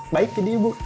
baik jadi ibu